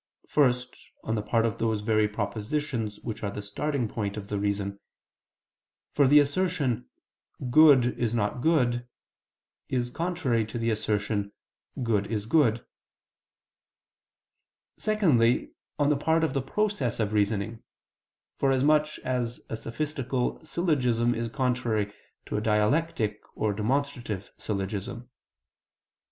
First, on the part of those very propositions which are the starting point of the reason: for the assertion "Good is not good" is contrary to the assertion "Good is good" (Peri Herm. ii). Secondly, on the part of the process of reasoning; forasmuch as a sophistical syllogism is contrary to a dialectic or demonstrative syllogism.